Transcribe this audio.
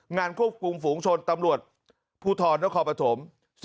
งานกรูปภูมิฝูงชนตำรวจพู่ทลนครปภม